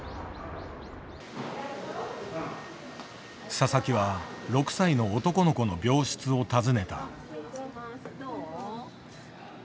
佐々木は６歳の男の子の病室を訪ねた。